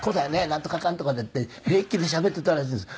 なんとかかんとかで」って平気でしゃべっていたらしいんです。